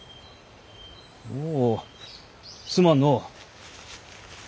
おおすまんの。